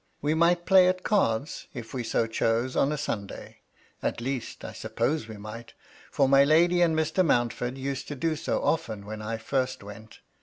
We might play at cards, if we so chose, on a Sunday ; at least, I suppose we might, for my lady and Mr. Mountford used to do so often when I first went.